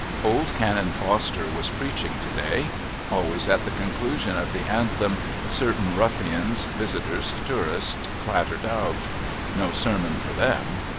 Old Canon Foster was preaching to day. Always at the conclusion of the Anthem certain ruffians, visitors, tourists, clattered out. No sermon for them.